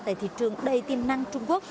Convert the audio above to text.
tại thị trường đầy tiềm năng trung quốc